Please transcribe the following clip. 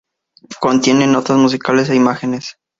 Contiene notas musicales e imágenes.